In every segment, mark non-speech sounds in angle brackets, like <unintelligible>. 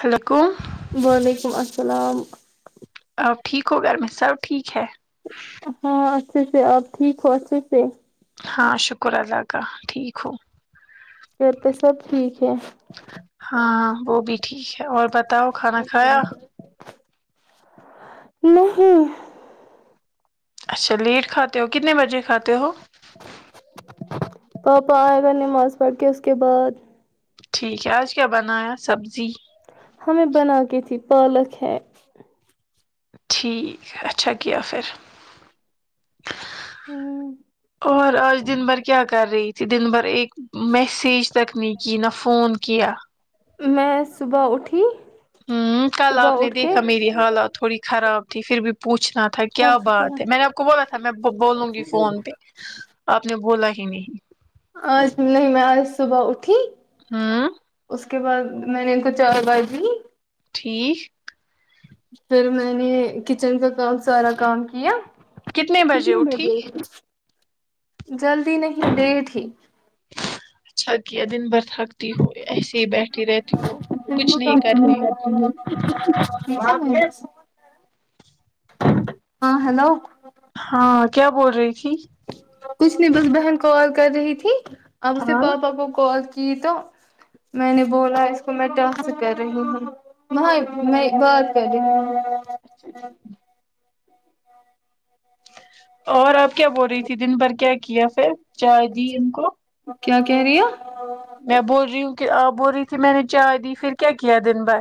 Hello کو وعلیکم السلام اب ٹھیک ہو گیا پھر سب ٹھیک ہے ہاں اچھے سے آپ ٹھیک ہو اچھے سے ہاں شکر اللہ کا ٹھیک ہوں پھر تو سب ٹھیک ہے ہاں وہ بھی ٹھیک ہے اور بتاؤ کھانا کھایا نہیں اچھا لیٹ کھاتے ہو کتنے بجے کھاتے ہو پاپا آئے گا نماز پڑھ کے اس کے بعد ٹھیک ہے آج کیا بنایا سبزی ہمیں بنا کے تھی پالک ہے ٹھیک ہے اچھا کیا پھر اور آج دن بھر کیا کر رہی تھی دن بھر ایک میسیج تک نہیں کی نہ فون کیا میں صبح اٹھی ہ کل صبح آپ نے اٹھ کے دیکھا میری حالات تھوڑی خراب تھی پھر بھی پوچھنا تھا کیا بات ہے میں نے آپ کو بولا تھا میں بولوں گی فون پہ آپ نے بولا ہی نہیں آج نہیں میں آج صبح اٹھی ہوں اس کے بعد میں نے ان کو چائے وائے دی ٹھیک پھر میں نے کچن کا کام سارا کام کیا کتنے بجے اٹھی کتنی <unintelligible> جلدی نہیں ڈٹ ہی اچھا کیا دن بهر تھک تی ہو ایسے ہی بیٹھی رہتی ہو کچھ نہیں کرتی ہو ہاں ہیلو ہاں کیا بول رہی تھی کچھ نہیں بس بہن کال کر رہی تھی اب اس نے ہاں پاپا کو کال کی تو میں نے بولا اس کو میں ٹ سے کر رہی ہوں مہائے میں بات کر رہی ہوں اچھا ٹھیک اور آپ کیا بول رہی تھی دن بھر کیا کیا پھر چائے دی ان کو کیا کہہ رہی ہے میں بول رہی ہوں کہ آپ بول رہی تھی میں نے چائے دی پھر کیا کیا دن بھر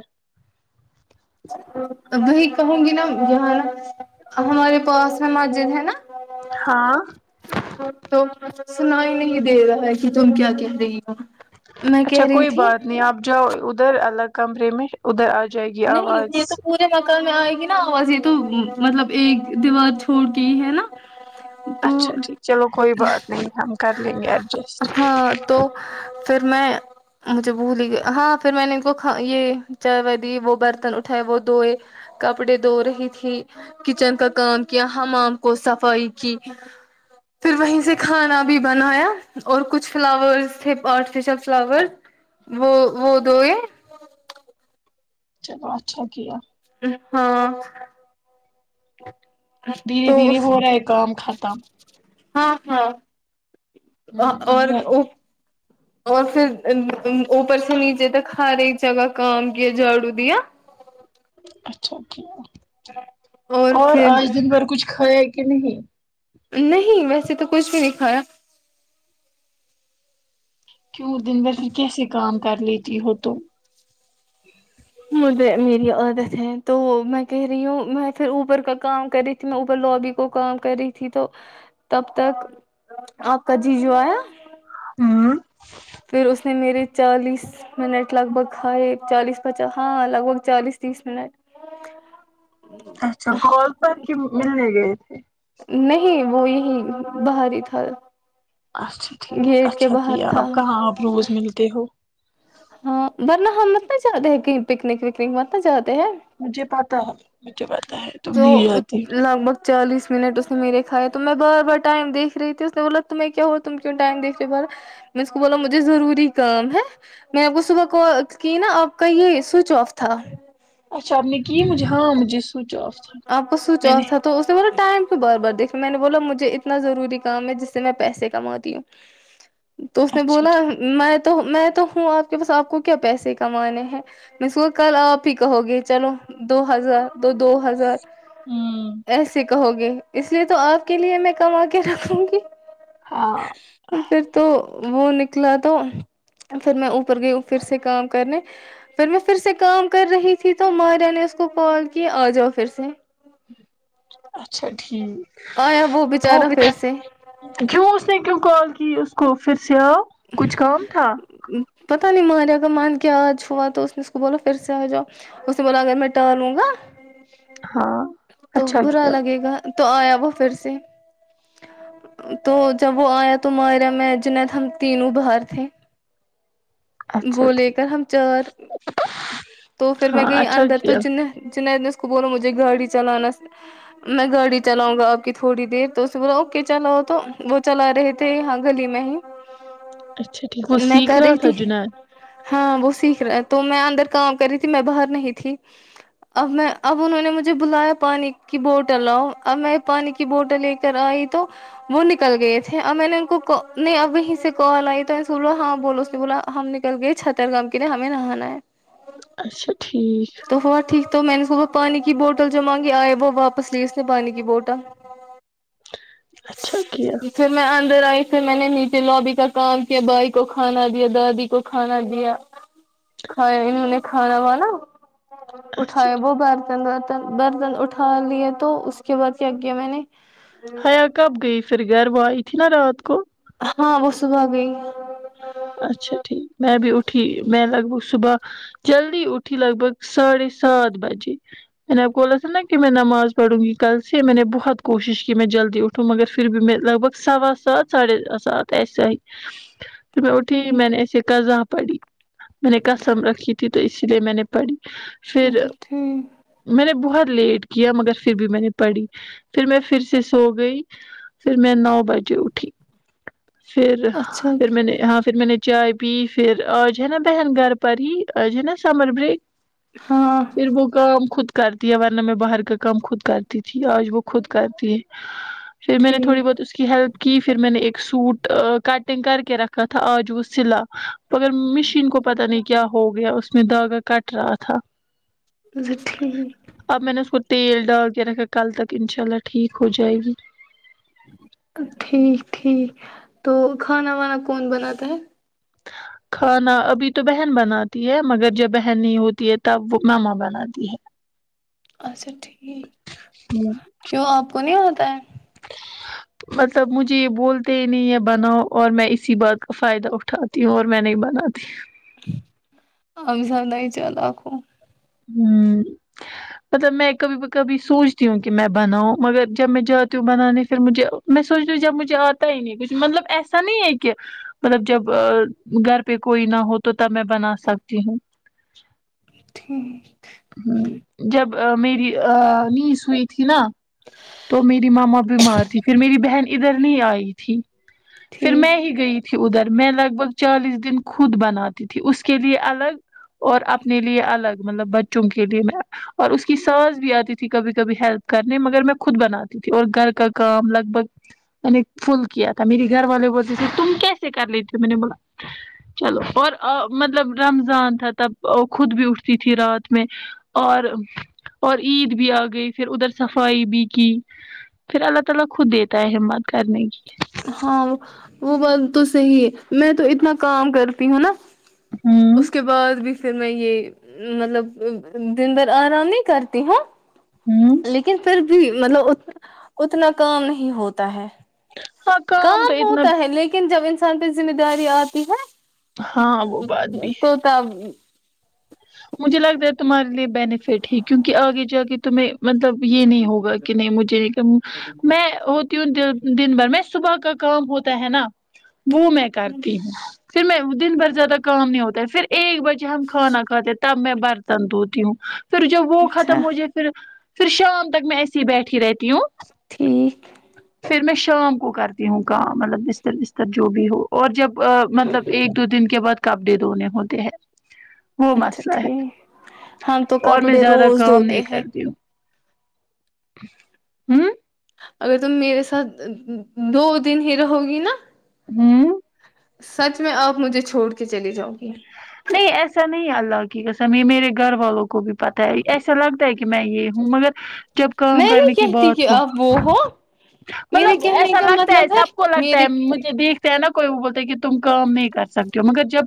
ا وہی کہوں گی نا یہ نا ہمارے پاس ن مسجد ہے نا ہاں تو سنائی نہیں دے رہا ہے کہ تم کیا کہہ رہی ہو میں اچھا کہہ رہی کوئی تھی بات نہیں آپ جاؤ ادھر الگ کمرے میں ادھر آ جائے گی نہیں یہ آواز تو پوری پورے مکان میں آئے گی نا آواز یہ تو مطلب ایک دیوار چھوڑ کے ہی ہے نا تو اچھا ٹھیک چلو کوئی بات نہیں ہم کر لیں گے ایڈجسٹ ہاں تو پھر میں مجھے بھول ہی گئی ہاں پھر میں نے ان کو کھا یہ چائے وائی وہ برتن اٹھائے وہ دوئے کپڑے دھو رہی تھی کچن کا کام کیا حمام کو صفائی کی پھر وہیں سے کھانا بھی بنایا اور کچھ فلاور تھے آرٹیفیشیل فلاور وہ وہ دو ہے چلو اچھا کیا ہاں دھیرے تو دھیرے ہو رہا ہے کام ختم ہاں ہاں ا ہوں اور اب اور پھر اوپر سے نیچے تک ہر ایک جگہ کام کیا جاڑو دیا اچھا ٹھیک اور آج دن بھر کچھ کھایا ہے کہ نہیں نہیں ویسے تو کچھ بھی نہیں کھایا کیوں دن بھر پھر کیسے کام کر لیتی ہو تم مجھے میری عادت ہے تو میں کہہ رہی ہوں میں پھر اوپر کا کام کری میں اوبر لوبی کو کام کر رہی تھی تو تب تک آپ کا جی جو آیا ہوں پھر اس نے میرے چالیس منٹ لگ بھگ ہے کھائے چالیس پچاس ہاں لگ بھگ چالیس تیس منٹ اچھا کال پر کے ملنے گئے تھے نہیں وہ یہی باہر ہی تھا اچھا ٹھیک گیٹ کے اچھا باہر کیا تھا آپ کہاں آپ روز ملتے ہو ہاں ورنہ ہم مت نہ جاتے ہیں کہ پکنک وکنک مت نہ جاتے ہیں مجھے پتا ہے مجھے پتہ ہے تم تو نہیں جاتی ہو لگ بھگ چالیس منٹ اس نے میرے کھیا تو میں بار بار ٹائم دیکھ رہ تھی اس نے بولا تمہیں کیا ہو تم کیوں ٹائم دیکھ رہے ہو بار میں نے اسکو بولا مجھے ضروری کام ہے میں نے آپ کو صبح کال کی نا آپ کا یہ سوئچ آف تھا اچھا اپ نے کی مجے ہاں مجھے سوئچ آف تھا آپ کو سو میں چل نے تھا تو اس نے بلا ٹائم بار بار دیکھنے میں نے بولا مجھے اتناضروری کام ہے جس سے میں پیسے کماتی ہوں تو اس نے اچھا بولا ٹھیک میں تو میں تو ہوں آپ کےپاس آپ کو کیا پیسے کمانے ہیں میں اس کو کل آپ ہی کہو گے چلو دو ہزار دو دو ہوں ایسے کہو گے اس لیے تومیں آپ کے لیے تو کماکے کے رکھوں گی ہاں پھر تو وہ نکلا تو پھر میں اوپر گئی ہوں پھر سے کام کرنے پھر میں پھر سے کام کر رہی تھی تو ماریا نے اس کو کال کی آ جاؤ پھر سے اچھا ٹھیک آیا وہ بچارا پھر سے کیوں اس نے کیوں کال کی اس کو پھر سے آپ پتا نہیں مارے اگر مان کیا آج ہوا تو اس نے اس کو بولو پھر سے آ جاؤ اسے بولا اگر میں ٹر لوں گا ہاں تو اچھا برا کیا لگے گا تو آیا وہ پھر سے تو جب وہ آیا تو مرا میں جند ہم تینوں باہر تھے وہ لے کر ہم چار ا <unintelligible> تو پھر میں گئی اندر تو جن جنید نے اس کو بولا مجھے گاڑی چلانا میں گاڑی چلاؤں گا آپ کی تھوڑی دیر تو اس سے بولا اوکے چلاؤ تو وہ چلا رہے تھے تھے ہاں گلی میں ہی اچھا ٹھیک وہ میں سیکھ کر رہا رہی تھا تھی جنید ہاں وہ سیکھ رہا تو میں اندر کام کر رہی تھی میں باہر نہیں تھی اب میں اب انہوں نے مجھے بلایا پانی کی بوٹل اب میں پانی کی کی بوٹل لے کر آئی تو وہ نکل گئے تھے اور میں نے ان کو اب وہیں سے کال آئی تو سو ہاں بولو اس نے بولا ہم نکل گئے چھتر گام کے لیے ہمیں نہانا ہے اچھا ٹھیک تو ہوا ٹھیک تو میں نے صبح پانی کی بوٹل جو مانگی آئے وہ واپس لی اس نے پانی کی بوٹل ہاں <unintelligible> اچھا کیا پھر میں اندر آئی پھر میں نے نیچے لوابی کا کام کیا بھائی کو کھانا دیا دادی کو کھانا دیا کھائے انہوں نے کھانا وا نا اچھا اٹھایا ٹھیک۔ برتن دھوتے برتن اٹھا لے تو اس کے بعد کیا کیا میں نے حیا کب گئی پھر گھر وہ آئی تھی نا رات کو ہاں وہ صبح گئی اچھا ٹھیک میں بھی اٹھی میں لگ بھگ صبح جلدی اٹھی لگ بھگ ساڑھے سات بجے میں نے آپ کوبولا تھا نا کہ میں نماز پڑوں گی کل سے میں نے بہت کوشش کی میں جلدی اٹھ تو مگر پھر بھی لکبھک سوا سات ساڑے سات ایسے ائی میں اٹھی ٹھیک میں نے ایسے قضاں پڑی میں نے قسم رکھی تھی تو اسی لیے میں نے پڑھی پھر میں نے بہت لیٹ کیا مگر پھر بھی میں نے پڑھی پھر میں پھر سے سو گئی پھر میں نو بجے اٹھی پھر اچھا ٹھیک اچھا پھر میں کیا نے ہاں پھر میں نے چائے پی پھر آج ہے نا بہن گھر پر ہی آج ہے نا سمر بریک ہاں پھر وہ کام خود کرتی ہے ورنہ میں باہر کا کام خود کرتی تھی آج وہ خود کرتی ہے پھر میں نے تھوڑی ٹھیک بہت اس کی ہیلپ کی پھر میں نے ایک سوٹ کٹنگ کر کے رکھا کا تھا آج وہ سلا مگر مشین کو پتا نہیں کیا ہو گیا اس میں داگا کٹ رہا تھا اچھا ٹھیک اب میں نے اس کو تیل ڈال کے رکھا کل تک انشاء اللہ ٹھیک ہو جائے گی ٹھیک ٹھیک تو کھانا وانا کون بناتا ہے کھانا ابھی تو بہن بناتی ہے مگر جب بہن نہیں ہوتی ہے تب وہ ماما بناتی ہے اچھا ٹھیک ہے کیوں آپ کو نہیں آتا ہے مطلب مجھے یہ بولتے ہی نہیں یہ بناؤ اور میں اسی بات کا فائدہ اٹھات تی اور میں نہیں بناتی آپ زیادہ ہی چالاک ہو ہوں مطلب میں کبھی ب کبھی سوچتی ہوں کہ میں بناؤں مگر جب میں جاتی ہوں بنانے پھر مجھے میں سوچتی ہو جب مجھے آتا ہی نہیں کچھ مطلب ایسا نہیں ہے کہ مطلب جب گھر پہ کوئی نہ ہو تو تب میں بنا سکتی ہوں تھیک ہ جب میری نیس ہوئی تھی نا تو میری ماما بیمار تھی پھر میری بہن ادھر نہیں آئی تھی پھر میں ٹھیک ہی گئی تھی ادھر میں لگ بگ چالیس دن خود بناتی تھی اس کے لیے الگ اور اپنے لیے الگ مطلب بچوں کے لیے میں اور اس کی ساس بھی آتی تھی کبھی کبھی ہیلپ کرنے مگر میں خود بناتی تھی اور گھر کا کام لگ بھگ میں نے فل کیا تھا میری گھر والے بولتے تھے تم کیسے کر لیتی میں نے بولا چلو اور مطلب رمضان تھا تب خود بھی اٹھتی تھی رات میں اور اور عید بھی آ گئی پھر ادھر صفائی بھی کی پھر اللہ تعالی خود دیتا ہے ہمت کرنے کی ہاں وہ بات تو صحیح ہے میں تو اتنا کام کرتی ہوں نا اس ہوں اس کے بعد بھی پھر میں یہ مطلب دن بھر آرام نہیں کرتی ہوں ہوں لیکن پھر بھی مطلب اتنا کام نہیں ہوتا ہے ہاں کام تو اتنا ہوتا ہے لیکن جب اس انسان پہ ذمہ داری آتی ہاں وہ بات بھی ہے ہے تو تب مجھے لگتا ہے تمہارے لیے بینیفٹ ہی کیونکہ آگے جا کے تمھیں مطلب یہ نہیں ہوگا کہ نہیں مجھے میں دن بھر میں صبح کا کام ہوتا ہے نا وہ میں کرتی ہوں پھر میں دن بھر زیادہ کام نہیں ہوتا ہے پھر ایک بجے ہم کھانا کھا تے تب میں برتن دھوتی ہوں پھر جب وہ اچھا ختم ہو جائے پھر پھر شام تک میں ایسے ہی بیٹھی رہتی ہوں ٹھیک پھر میں شام کو کرتی ہوں کام مطلب بستر بستر جو بھی ہو اور جب ا مطلب ایک دو دن کے بعد کپڑے دھونے ہوتے ہیں وہ اچھا مسئلہ ہے ٹھیک ہم تو اور میں کپڑے زیادہ روز کام دھوتے نہیں ہیں کرتی ہوں ہوں اگر تم میرے ساتھ دو دن ہی رہو گی نا ہوں سچ میں آپ مجھے چھوڑ کے چلیے جاؤ گی نہیں ایسا نہیں اللہ کی قسم یہ میرے گھر والوں کو بھی پتاہ ہے ایسا لگتا ہے کہ کہ میں یہ ہوں مگر جب کام میں نہیں کرنے کی کہتی کہ بات ہو آپ وہ ہو میرے مطلب کہنے ایسا کا لگتا ہے مطلب سب کو لگتا میرے ہے مجھے دیکھ نا کوئی وہ بولتا ہے کہ تم کام نہیں کر سکتے ہو مگر جب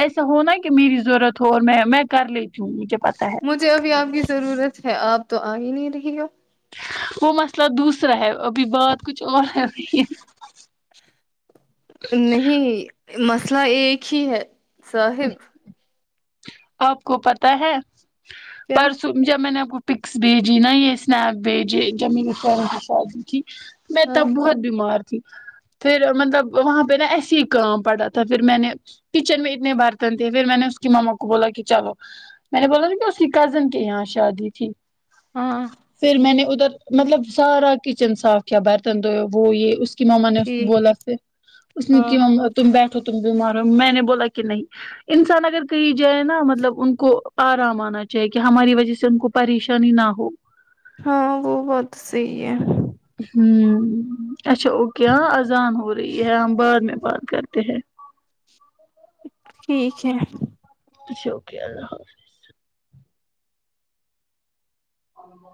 ای ایسا ہونا کہ میری ضرورت ہو اور میں میں کر لیتی ہوں مجھے پتا ہے مجھے ابھی آپ کی ضرورت ہے آپ تو آ ہی نہیں رہی ہو وہ مسئلہ دوسرا ہے ابھی بات کچھ اور رہ رہی ہے نہیں مسئلہ ایک ہی ہے صاحب آپ کو پتا ہے کیا پرسوں جب میں نے کو پکس بھیجی نا یہ اسنیک بھیجے جب میری کی شادی تھی میں ہاں تب بہت بیمار تھی پھر مطلب وہاں پہ نا ایسے ہی کام پڑا تھا پھر میں نے کچن میں اتنے بار پھر میں نے اس کی ماما کو بولا کہ چلو میں نے بولا نا کہ اسکی کزن کے یہاں شادی تھی ہاں پھر میں نے ادھر مطلب سارا کچن صاف کیا برتن دو وہ یہ اس کہ ماما نے اس کو ٹھیک بولا تھ اس نے کہ ہاں ما تم بیٹھو تم بیمار ہو میں نے بولا کہ نہیں انسان اگر کہیں جائے نا مطلب ان کو آرام آنا چاہیے کہ ہماری وجہ سے ان کو پریشانی نہ ہو ہاں وہ بات تو صحی ہے ہمم اچھا اوکے ہاں اذان ہو رہی ہے ہم بعد میں بات کرتے ہیں ٹھیک ہے اچھا اوکے اللہ حافظ